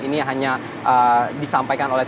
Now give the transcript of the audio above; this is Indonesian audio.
ini hanya disampaikan oleh